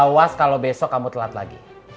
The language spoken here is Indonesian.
awas kalo besok kamu telat lagi